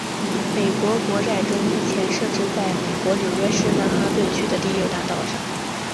美国国债钟目前设置在美国纽约市曼哈顿区的第六大道上。